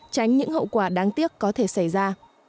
tránh những hậu quả đáng tiếc có thể xảy ra